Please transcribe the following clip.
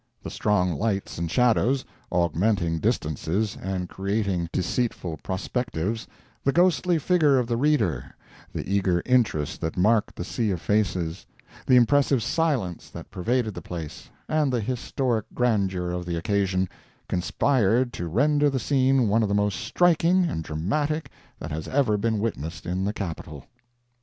The strong lights and shadows, augmenting distances and creating deceitful prospectives, the ghostly figure of the reader, the eager interest that marked the sea of faces, the impressive silence that pervaded the place, and the historic grandeur of the occasion, conspired to render the scene one of the most striking and dramatic that has ever been witnessed in the Capitol.